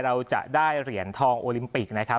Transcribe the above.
เราจะได้เหรียญทองโอลิมปิก